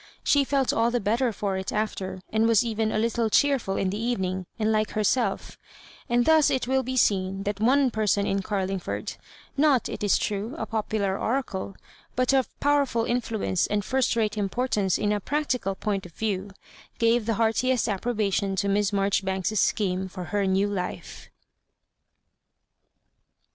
She felt all the better for it after, and was even a little cheerful in the evening, and like hersell*; and thus it will be seen that one person in Car lingford — ^not, it is true, a popular orade, but of powerful influence and first rate importance in a practical point of view — gave the heartiest ap probation ta Miss Marjoribanks's scheme for her new life.